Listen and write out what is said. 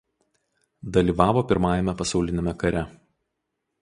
Dalyvavo Pirmajame pasauliniame kare.